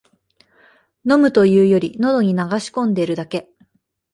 飲むというより、のどに流し込んでるだけ